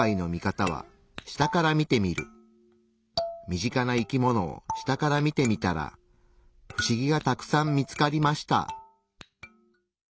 身近な生き物を下から見てみたらフシギがたくさん見つかりました。